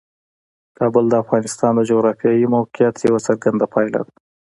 کابل د افغانستان د جغرافیایي موقیعت یوه څرګنده پایله ده.